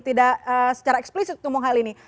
tidak secara eksplisit ngomong hal ini